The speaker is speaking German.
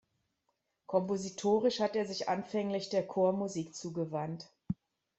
Kompositorisch hat er sich anfänglich der Chormusik zugewandt.